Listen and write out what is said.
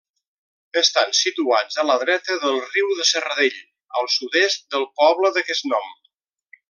Estan situats a la dreta del riu de Serradell, al sud-est del poble d'aquest nom.